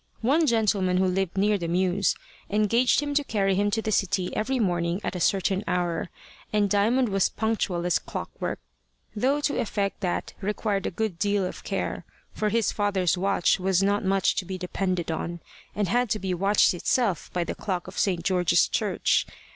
One gentleman who lived near the mews engaged him to carry him to the City every morning at a certain hour; and Diamond was punctual as clockwork though to effect that required a good deal of care, for his father's watch was not much to be depended on, and had to be watched itself by the clock of St. George's church.